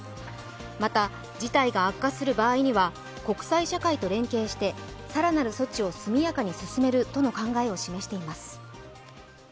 また、事態が悪化する場合には国際社会と連携してさらなる措置を速やかに進めるとの考えを示しています。